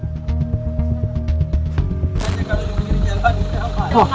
kalau ini jalan ini apa